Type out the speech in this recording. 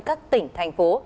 các tỉnh thành phố